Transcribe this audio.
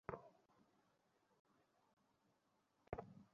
এতে ইটভাটার মালিকেরা কোটি টাকার মতো ক্ষতি হয়েছে বলে দাবি করেছেন।